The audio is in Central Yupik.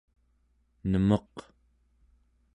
nemeq